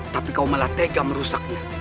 tapi kau malah tega merusaknya